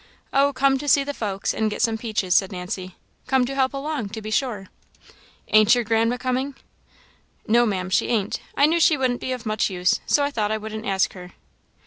"Oh, come to see the folks, and get some peaches," said Nancy; "come to help along, to be sure." "Ain't your Grandma coming?" "No, Maam, she ain't. I knew she wouldn't be of much use, so I thought I wouldn't ask her."